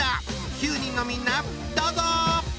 ９人のみんなどうぞ！